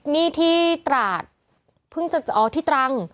นี่ที่ตราดเพิ่งจะอ๋อที่ตรัง